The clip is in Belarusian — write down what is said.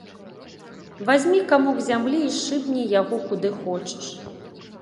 Вазьмі камок зямлі і шыбні яго куды хочаш.